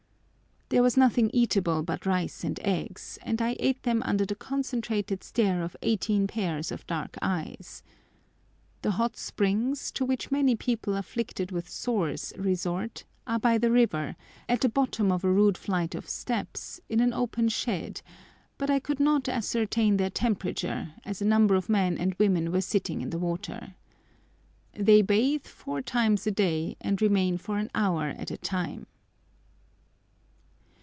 There was nothing eatable but rice and eggs, and I ate them under the concentrated stare of eighteen pairs of dark eyes. The hot springs, to which many people afflicted with sores resort, are by the river, at the bottom of a rude flight of steps, in an open shed, but I could not ascertain their temperature, as a number of men and women were sitting in the water. They bathe four times a day, and remain for an hour at a time.